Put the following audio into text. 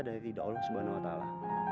dari tidak allah subhanahu wa ta'ala